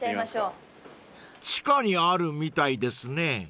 ［地下にあるみたいですね］